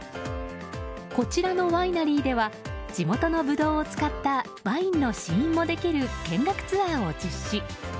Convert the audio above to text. こちらのワイナリーでは地元のブドウを使ったワインの試飲もできる見学ツアーを実施。